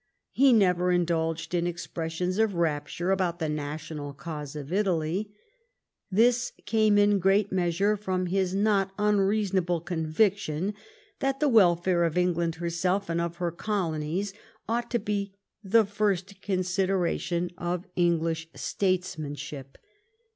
He never indulged in expressions of rapture about the national cause of Italy. This came in great measure from his not unreasonable conviction that the welfare of England herself and of her colonies ought to be the first consideration of English statesman ship.